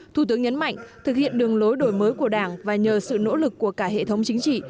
thủ tướng nhấn mạnh thực hiện đường lối đổi mới của đảng và nhờ sự nỗ lực của cả hệ thống chính trị